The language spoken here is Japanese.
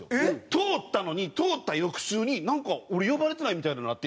通ったのに通った翌週になんか俺呼ばれてないみたいになって。